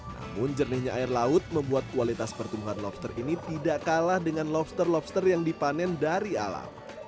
namun jernihnya air laut membuat kualitas pertumbuhan lobster ini tidak kalah dengan lobster lobster yang dipanen dari alam